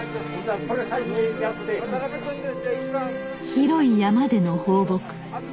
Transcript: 広い山での放牧。